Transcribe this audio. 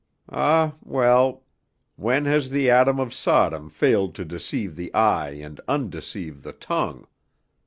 Ah, well, when has the Apple of Sodom failed to deceive the eye and undeceive the tongue?